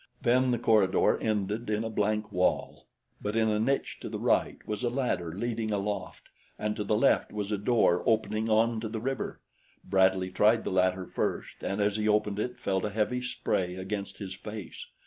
Then the corridor ended in a blank wall; but in a niche to the right was a ladder leading aloft, and to the left was a door opening onto the river. Bradley tried the latter first and as he opened it, felt a heavy spray against his face.